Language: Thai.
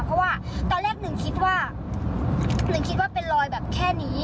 เพราะว่าตอนแรกหนึ่งคิดว่าหนึ่งคิดว่าเป็นรอยแบบแค่นี้